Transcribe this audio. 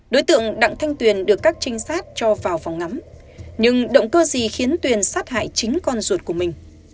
đối tượng đặng thanh tuyền được các trinh sát cho vào phòng ngắm nhưng động cơ gì khiến tuyền sát hại chính con ruột của mình